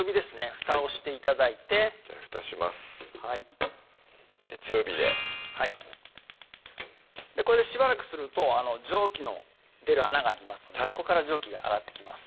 ふたをして頂いてじゃあふたしますはい強火ではいこれでしばらくすると蒸気の出る穴がありますのでそこから蒸気が上がってきます